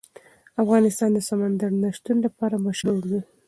افغانستان د سمندر نه شتون لپاره مشهور دی.